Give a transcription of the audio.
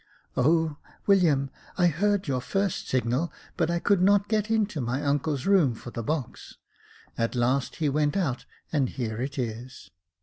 " Oh ! William, I heard your first signal, but I could not get into my uncle's room for the box ; at last he went out, and here it is."